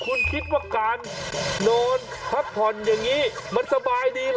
คุณคิดว่าการนอนพักผ่อนอย่างนี้มันสบายดีเหรอ